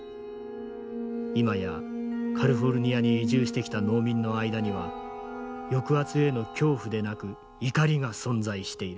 今やカリフォルニアに移住してきた農民の間には抑圧への恐怖でなく怒りが存在している」。